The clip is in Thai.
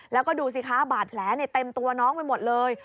แล้วก็ดูสิคะบาดแผลเต็มตัวน้องไปหมดเลย